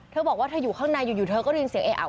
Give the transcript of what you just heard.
เธอบอกว่าเธออยู่ข้างในอยู่เธอก็ได้ยินเสียงเออ